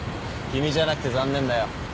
君じゃなくて残念だよ。